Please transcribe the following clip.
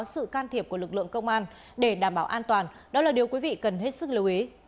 có sự can thiệp của lực lượng công an để đảm bảo an toàn đó là điều quý vị cần hết sức lưu ý